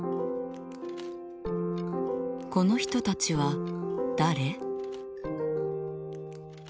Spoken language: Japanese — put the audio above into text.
この人たちは誰？